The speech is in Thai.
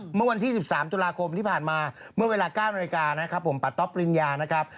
เมื่อวันที่๑๓จุฬาคมที่ผ่านมาเมื่อเวลา๙นาทีปาต๊อบปริญญานะครับ